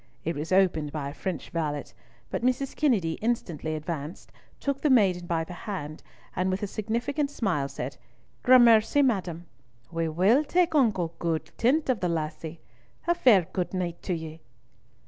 It was opened by a French valet; but Mrs. Kennedy instantly advanced, took the maiden by the hand, and with a significant smile said: "Gramercy, madam, we will take unco gude tent of the lassie. A fair gude nicht to ye."